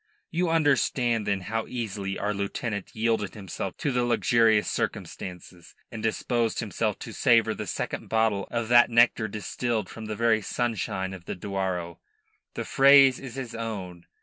You understand, then, how easily our lieutenant yielded himself to the luxurious circumstances, and disposed himself to savour the second bottle of that nectar distilled from the very sunshine of the Douro the phrase is his own.